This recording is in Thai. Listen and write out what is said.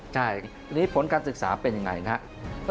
ใช่นี่ผลการศึกษาเป็นอย่างไรนะครับ